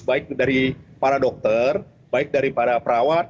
baik dari para dokter baik dari para perawat